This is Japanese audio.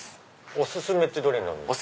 お薦めってどれになるんですか？